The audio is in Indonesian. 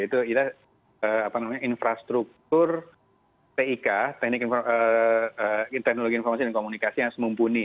itu infrastruktur tik teknologi informasi dan komunikasi yang semumpuni